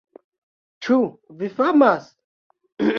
Ĉu vi fumas?